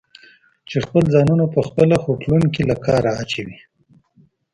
چې خپل ځانونه پخپله په خوټلون کې له کاره اچوي؟